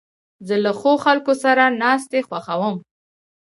زه له ښو خلکو سره ناستې خوښوم.